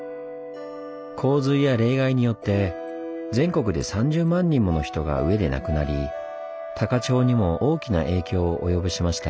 洪水や冷害によって全国で３０万人もの人が飢えで亡くなり高千穂にも大きな影響を及ぼしました。